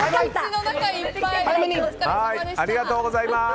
ありがとうございます。